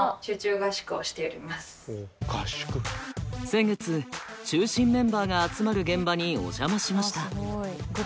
先月中心メンバーが集まる現場にお邪魔しました。